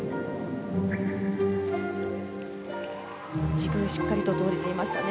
軸、しっかりと取れていましたね。